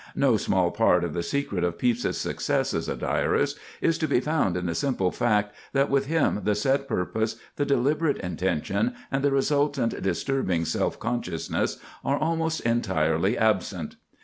No small part of the secret of Pepys's success as a diarist is to be found in the simple fact that with him the set purpose, the deliberate intention, and the resultant disturbing self consciousness are almost entirely absent.